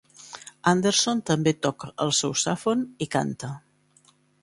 Anderson també toca el sousàfon i canta.